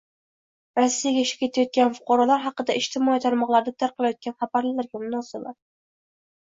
Rossiyaga ishga ketayotgan fuqarolar haqida ijtimoiy tarmoqlarda tarqalayotgan xabarlarga munosabat